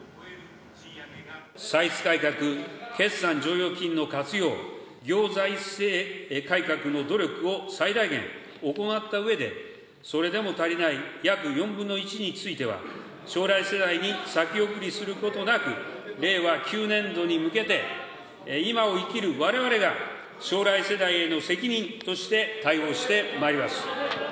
歳出改革、決算剰余金の活用、行財政改革の努力を最大限行ったうえで、それでも足りない約４分の１については、将来世代に先送りすることなく、令和９年度に向けて、今を生きるわれわれが将来世代への責任として対応してまいります。